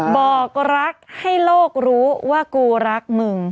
บอกรักให้โลกรู้ว่ากูรักมึง